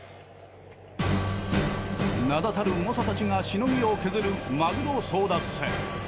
名立たる猛者たちがしのぎを削るマグロ争奪戦。